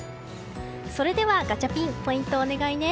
それではガチャピンポイントをお願いね。